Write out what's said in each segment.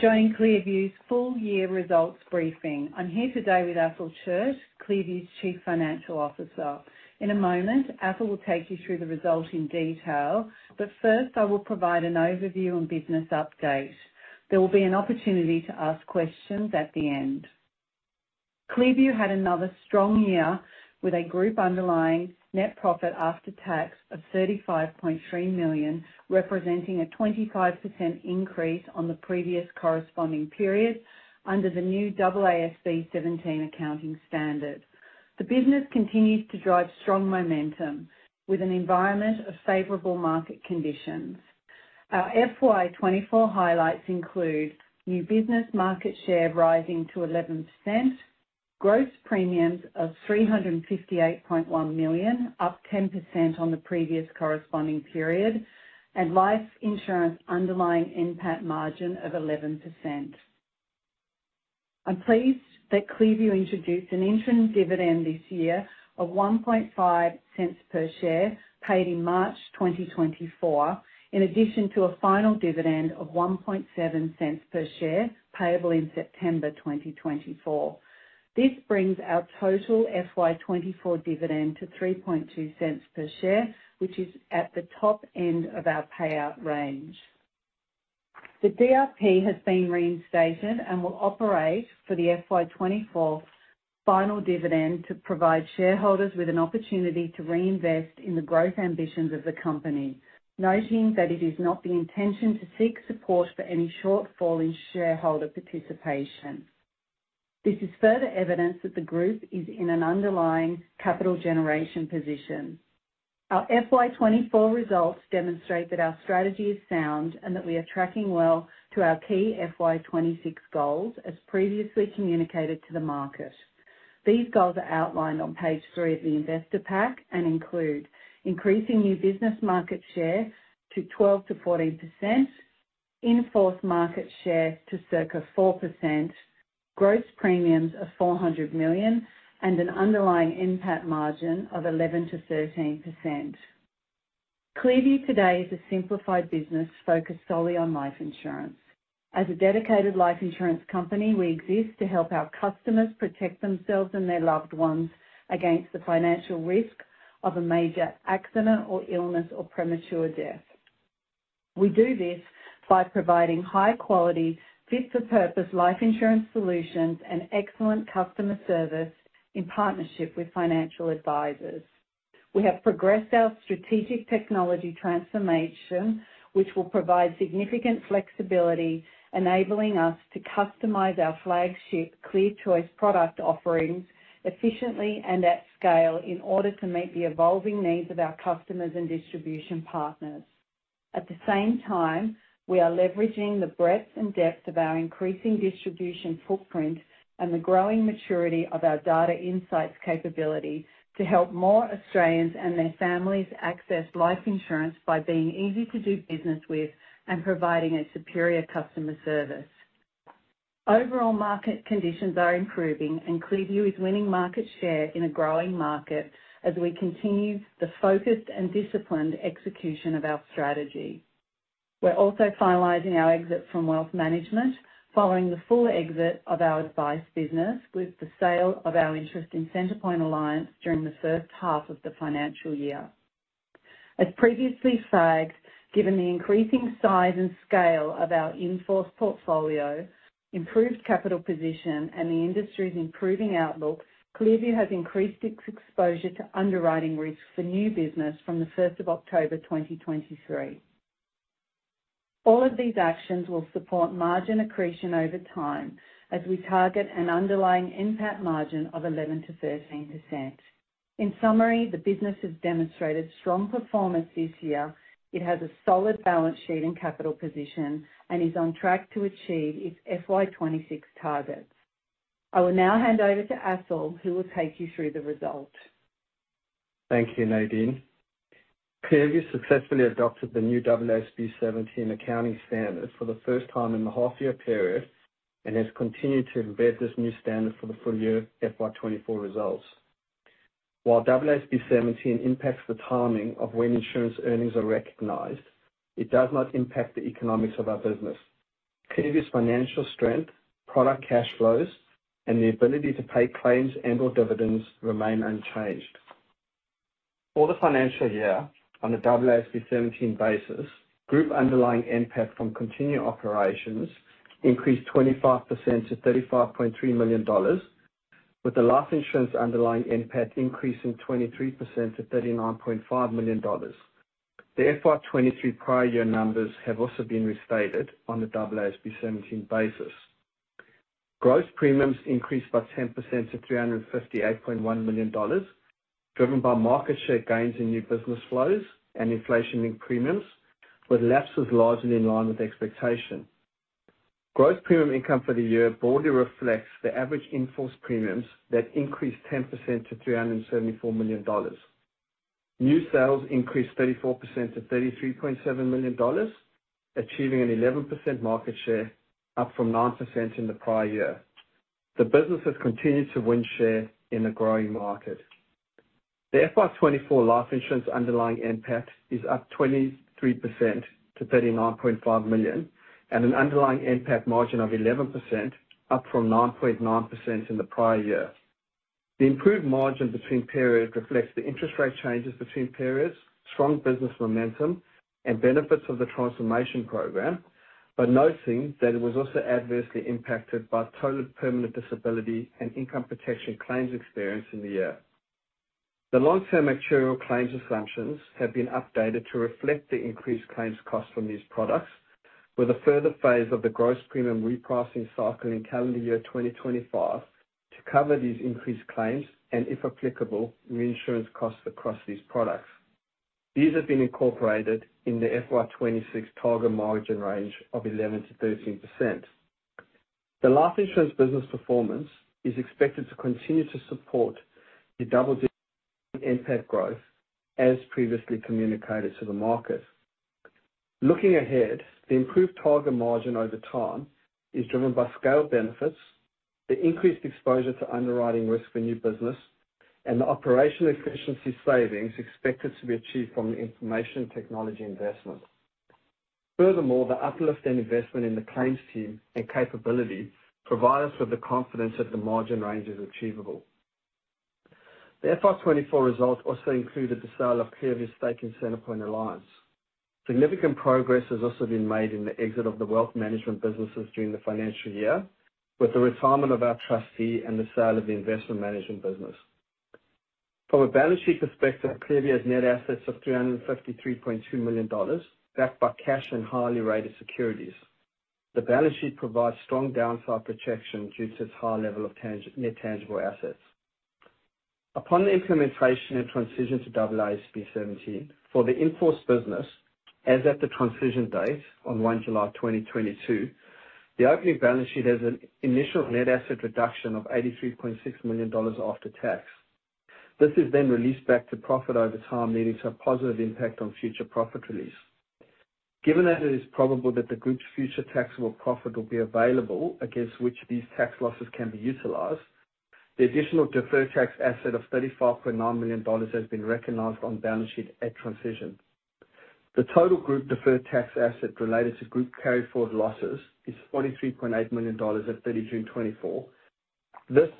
Thank you for joining ClearView's full year results briefing. I'm here today with Athol Charkham, ClearView's Chief Financial Officer. In a moment, Athol will take you through the results in detail, but first, I will provide an overview and business update. There will be an opportunity to ask questions at the end. ClearView had another strong year, with a group underlying net profit after tax of 35.3 million, representing a 25% increase on the previous corresponding period under the new AASB 17 accounting standard. The business continues to drive strong momentum with an environment of favorable market conditions. Our FY24 highlights include: new business market share rising to 11%, gross premiums of 358.1 million, up 10% on the previous corresponding period, and life insurance underlying NPAT margin of 11%. I'm pleased that ClearView introduced an interim dividend this year of 1.5 cents per share, paid in March 2024, in addition to a final dividend of 1.7 cents per share, payable in September 2024. This brings our total FY24 dividend to 3.2 cents per share, which is at the top end of our payout range. The DRP has been reinstated and will operate for the FY24 final dividend to provide shareholders with an opportunity to reinvest in the growth ambitions of the company, noting that it is not the intention to seek support for any shortfall in shareholder participation. This is further evidence that the group is in an underlying capital generation position. Our FY24 results demonstrate that our strategy is sound and that we are tracking well to our key FY26 goals, as previously communicated to the market. These goals are outlined on page three of the investor pack and include: increasing new business market share to 12%-14%, in-force market share to circa 4%, gross premiums of 400 million, and an underlying NPAT margin of 11%-13%. ClearView today is a simplified business focused solely on life insurance. As a dedicated life insurance company, we exist to help our customers protect themselves and their loved ones against the financial risk of a major accident or illness or premature death. We do this by providing high quality, fit-for-purpose life insurance solutions and excellent customer service in partnership with financial advisors. We have progressed our strategic technology transformation, which will provide significant flexibility, enabling us to customize our flagship ClearChoice product offerings efficiently and at scale in order to meet the evolving needs of our customers and distribution partners. At the same time, we are leveraging the breadth and depth of our increasing distribution footprint and the growing maturity of our data insights capability to help more Australians and their families access life insurance by being easy to do business with and providing a superior customer service. Overall market conditions are improving, and ClearView is winning market share in a growing market as we continue the focused and disciplined execution of our strategy. We're also finalizing our exit from wealth management following the full exit of our advice business with the sale of our interest in Centrepoint Alliance during the first half of the financial year. As previously flagged, given the increasing size and scale of our in-force portfolio, improved capital position, and the industry's improving outlook, ClearView has increased its exposure to underwriting risk for new business from the first of October 2023. All of these actions will support margin accretion over time as we target an underlying NPAT margin of 11%-13%. In summary, the business has demonstrated strong performance this year. It has a solid balance sheet and capital position and is on track to achieve its FY26 targets. I will now hand over to Athol, who will take you through the results. Thank you, Nadine. ClearView successfully adopted the new AASB 17 accounting standard for the first time in the half year period and has continued to embed this new standard for the full year FY 2024 results. While AASB 17 impacts the timing of when insurance earnings are recognized, it does not impact the economics of our business. ClearView's financial strength, product cash flows, and the ability to pay claims and/or dividends remain unchanged. For the financial year, on the AASB 17 basis, group underlying NPAT from continuing operations increased 25% to 35.3 million dollars, with the life insurance underlying NPAT increasing 23% to 39.5 million dollars. The FY 2023 prior year numbers have also been restated on the AASB 17 basis. Gross premiums increased by 10% to 358.1 million dollars, driven by market share gains in new business flows and inflation in premiums, with lapses largely in line with expectation. Gross premium income for the year broadly reflects the average in-force premiums that increased 10% to 374 million dollars. New sales increased 34% to 33.7 million dollars, achieving an 11% market share, up from 9% in the prior year. The business has continued to win share in a growing market.... The FY24 life insurance underlying NPAT is up 23% to 39.5 million, and an underlying NPAT margin of 11%, up from 9.9% in the prior year. The improved margin between periods reflects the interest rate changes between periods, strong business momentum, and benefits of the transformation program, but noting that it was also adversely impacted by total permanent disability and income protection claims experience in the year. The long-term actuarial claims assumptions have been updated to reflect the increased claims costs from these products, with a further phase of the gross premium repricing cycle in calendar year 2025 to cover these increased claims, and, if applicable, reinsurance costs across these products. These have been incorporated in the FY 2026 target margin range of 11%-13%. The life insurance business performance is expected to continue to support the double-digit NPAT growth, as previously communicated to the market. Looking ahead, the improved target margin over time is driven by scale benefits, the increased exposure to underwriting risk for new business, and the operational efficiency savings expected to be achieved from information technology investments. Furthermore, the uplift and investment in the claims team and capability provide us with the confidence that the margin range is achievable. The FY 2024 results also included the sale of ClearView's stake in Centrepoint Alliance. Significant progress has also been made in the exit of the wealth management businesses during the financial year, with the retirement of our trustee and the sale of the investment management business. From a balance sheet perspective, ClearView has net assets of 353.2 million dollars, backed by cash and highly rated securities. The balance sheet provides strong downside protection due to its high level of net tangible assets. Upon the implementation and transition to AASB 17, for the in-force business, as at the transition date on 1 July 2022, the opening balance sheet has an initial net asset reduction of 83.6 million dollars after tax. This is then released back to profit over time, leading to a positive impact on future profit release. Given that it is probable that the group's future taxable profit will be available against which these tax losses can be utilized, the additional deferred tax asset of 35.9 million dollars has been recognized on the balance sheet at transition. The total group deferred tax asset related to group carryforward losses is 23.8 million dollars at 30 June 2024. This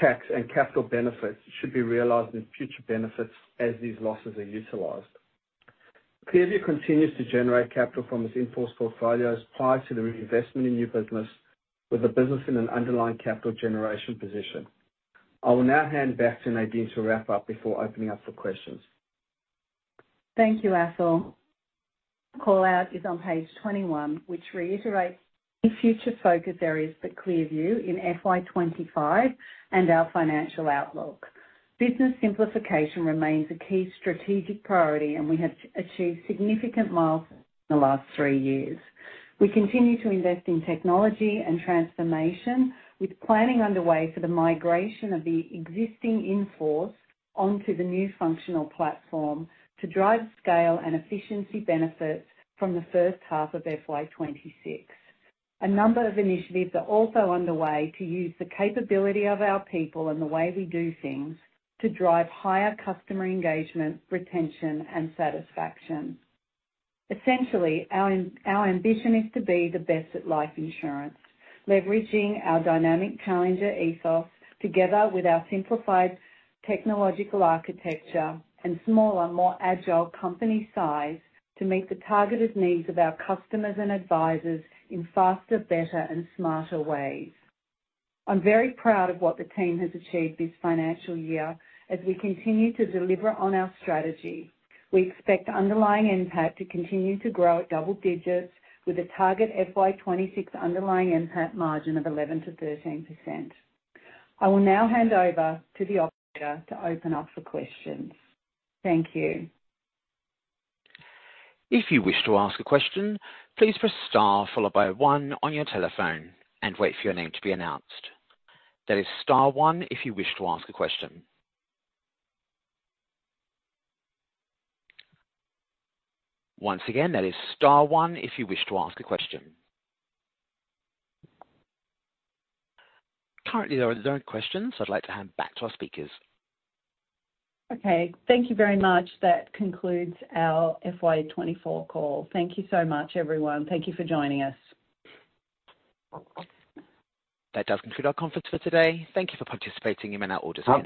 tax and capital benefits should be realized in future benefits as these losses are utilized. ClearView continues to generate capital from its in-force portfolios prior to the reinvestment in new business with the business in an underlying capital generation position. I will now hand back to Nadine to wrap up before opening up for questions. Thank you, Athol. Call out is on page 21, which reiterates the future focus areas for ClearView in FY25 and our financial outlook. Business simplification remains a key strategic priority, and we have achieved significant milestones in the last three years. We continue to invest in technology and transformation, with planning underway for the migration of the existing in-force onto the new functional platform to drive scale and efficiency benefits from the first half of FY26. A number of initiatives are also underway to use the capability of our people and the way we do things to drive higher customer engagement, retention, and satisfaction. Essentially, our ambition is to be the best at life insurance, leveraging our dynamic challenger ethos together with our simplified technological architecture and smaller, more agile company size to meet the targeted needs of our customers and advisors in faster, better, and smarter ways. I'm very proud of what the team has achieved this financial year as we continue to deliver on our strategy. We expect underlying NPAT to continue to grow at double digits with a target FY26 underlying NPAT margin of 11%-13%. I will now hand over to the operator to open up for questions. Thank you. If you wish to ask a question, please press star followed by one on your telephone and wait for your name to be announced. That is star one if you wish to ask a question. Once again, that is star one if you wish to ask a question. Currently, there are no questions. I'd like to hand back to our speakers. Okay, thank you very much. That concludes our FY24 call. Thank you so much, everyone. Thank you for joining us. That does conclude our conference for today. Thank you for participating in our audio-